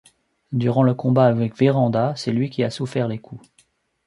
Durant le combat avec Vérand’a, c’est lui qui a souffert les coups.